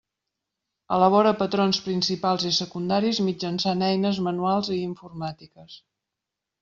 Elabora patrons principals i secundaris mitjançant eines manuals i informàtiques.